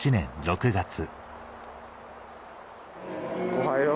おはよう。